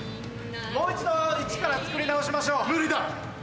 もう一度イチから作り直しましょう。無理だ！